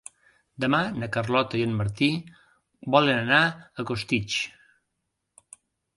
Demà na Carlota i en Martí volen anar a Costitx.